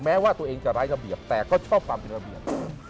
แม้ว่าตัวเองจะไร้ระเบียบแต่ก็ชอบความเป็นระเบียบ